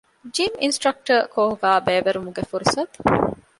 ޖިމް އިންސްޓްރަކްޓަރ ކޯހުގައި ބައިވެރިވުމުގެ ފުރުސަތު